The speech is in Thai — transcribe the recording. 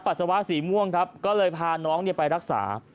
สาวะสีม่วงครับก็เลยพาน้องไปรักษา